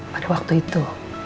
pada waktu itu